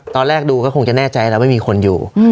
ตอนแรกดูก็คงจะแน่ใจแล้วไม่มีคนอยู่